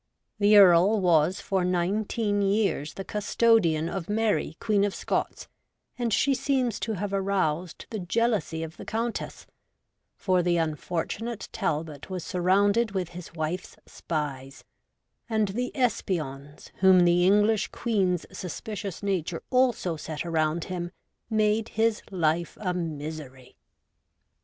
The Earl was for nineteen years the custodian of Mary, Queen of Scots, and she seems to have aroused the jealousy of the Countess, for the unfortunate Talbot was surrounded with his wife's spies, and the espions whom the English Queen's suspicious nature also set around him made his life a misery.